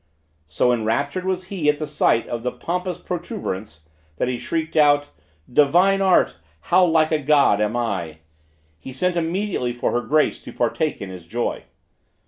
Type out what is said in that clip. So enraptured was he at the sight of the pompous protuberance, that he shrieked out: "Divine art, how like a God am I!" he sent immediately for her Grace to partake in his joy.